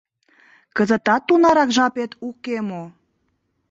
Кызытат тунарак жапет уке мо?